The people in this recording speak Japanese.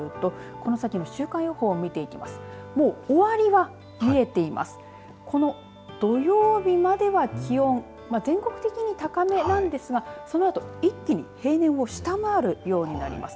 この土曜日までは気温全国的に高めなんですがそのあと一気に平年を下回るようになります。